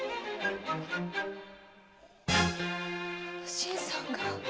新さんが。